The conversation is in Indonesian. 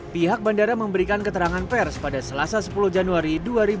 pihak bandara memberikan keterangan pers pada selasa sepuluh januari dua ribu dua puluh